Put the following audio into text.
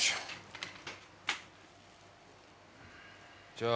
じゃあ。